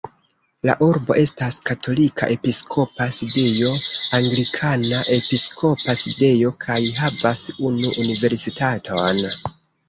La urbo estas katolika episkopa sidejo, anglikana episkopa sidejo kaj havas unu universitaton.